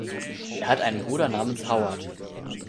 Er hat einen Bruder namens Howard.